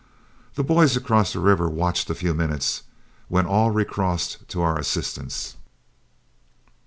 The boys across the river watched a few minutes, when all recrossed to our assistance.